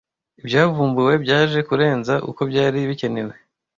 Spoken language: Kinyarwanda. Ibyavumbuwe byaje kurenza uko byari bikenewe